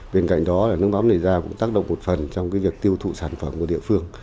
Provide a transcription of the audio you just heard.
bên cạnh đó nước mắm đề ra cũng tác động một phần trong việc tiêu thụ sản phẩm của địa phương